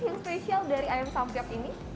yang spesial dari ayam subjek ini